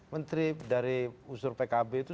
menteri dari usur pkb itu